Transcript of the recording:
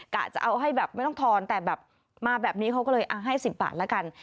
กะจะเอาให้แบบไม่ต้องทอนแต่แบบมาแบบนี้เขาก็เลยให้๑๐บาทละกัน